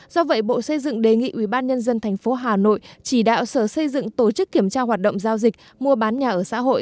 do vậy bộ xây dựng đề nghị ubnd tp hà nội chỉ đạo sở xây dựng tổ chức kiểm tra hoạt động giao dịch mua bán nhà ở xã hội